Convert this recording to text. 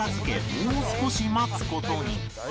もう少し待つ事に